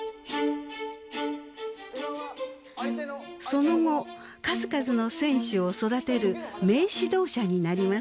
その後数々の選手を育てる名指導者になります。